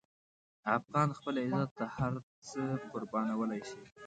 افغان خپل عزت ته هر څه قربانولی شي.